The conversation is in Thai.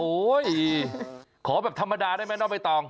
โอ๊ยขอแบบธรรมดาได้ไหมน้อมไอ้ตอง